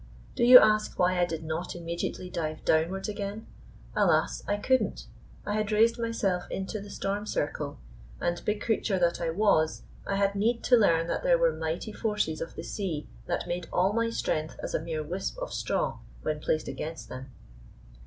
Do you ask why I did not immediately dive downwards again? Alas, I couldn't! I had raised myself into the storm circle, and big creature that I was, I had need to learn that there were mighty forces of the sea that made all my strength as a mere wisp of straw when placed against them.